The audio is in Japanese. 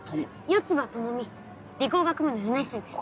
四葉朋美理工学部の４年生です。